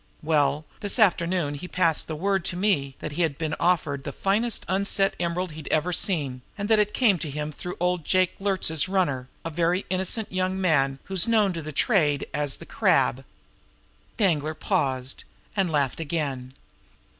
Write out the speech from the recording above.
Well, this afternoon he passed the word to me that he'd been offered the finest unset emerald he'd ever seen, and that it had come to him through old Jake Luertz's runner, a very innocent faced young man who is known to the trade as the Crab." Danglar paused and laughed again.